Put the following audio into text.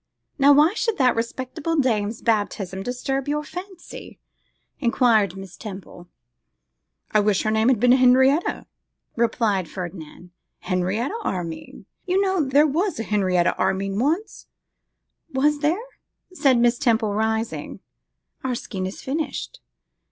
'Now, why should that respectable dame's baptism disturb your fancy?' enquired Miss Temple. 'I wish her name had been Henrietta,' replied Ferdinand. 'Henrietta Armine. You know there was a Henrietta Armine once?' 'Was there?' said Miss Temple, rising. 'Our skein is finished.